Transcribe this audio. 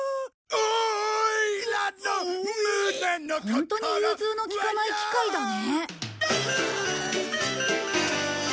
ホントに融通の利かない機械だね。